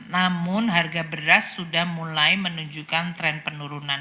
namun harga beras sudah mulai menunjukkan tren penurunan